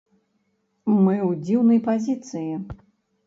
Мы ў дзіўнай пазіцыі.